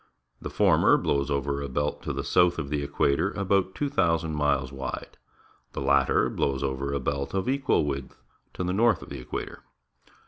The former blows over a belt to the south of the equator about 2,000 miles wide; the latter blows over a belt of equal width to the north of the equator.